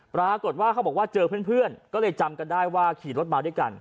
ปรากฏว่าเขาบอกว่าเจอเพื่อนก็เลยจำกันได้ว่าขี่รถมาด้วยกัน